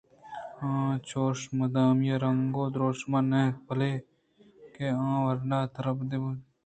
آ چوش مدامی رنگءُ درٛوشم ءَ نہ اَت بلکیں ءَ ورنا ترپدّر بوہان اَت